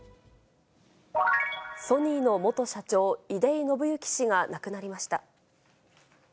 ソニーの元社長、出井伸之氏が亡くなりました。